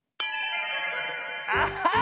あっ！